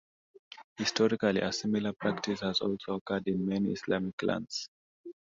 Historically, a similar practice has also occurred in many Islamic lands.